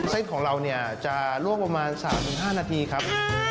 เส้นของเราเนี่ยจะลวกประมาณ๓๕นาทีครับ